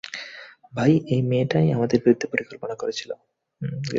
ভাই, এই মেয়েটাই আমাদের বিরুদ্ধে পরিকল্পনা করেছিল।